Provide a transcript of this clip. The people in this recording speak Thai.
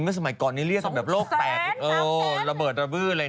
เมื่อสมัยก่อนนี้เรียกตามแบบโรคแปลกระเบิดระบื้ออะไรนะ